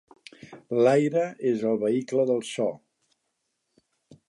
L'aire és el vehicle del so.